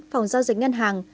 phòng giao dịch ngân hàng